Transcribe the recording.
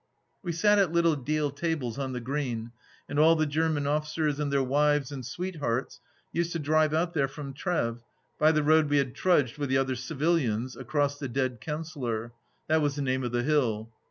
We sat at little deal tables on the green, and all the German oflBcers and their wives and sweethearts used to drive out there from Treves by the road we had trudged with the other civilians, across the " Dead Councillor." That was the name of the hill.